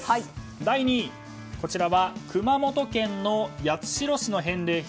第２位、こちらは熊本県の八代市の返礼品